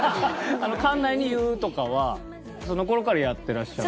館内に言うとかはその頃からやってらっしゃって？